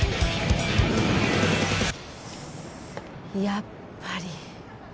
やっぱり。